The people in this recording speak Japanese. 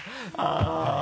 あぁ。